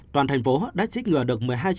toàn thành phố đã trích ngừa được